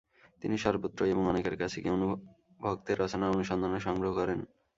তিনি সর্বত্রই এবং অনেকের কাছে গিয়ে ভানুভক্তের রচনার অনুসন্ধান ও সংগ্রহ করেন।